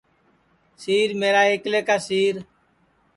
سِیر میرا ایکلے کا سِیر